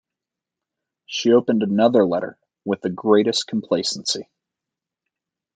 She opened another letter with the greatest complacency.